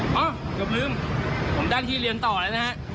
เอ้าอย่าลืมผมได้ที่เรียนต่อแล้วนะฮะ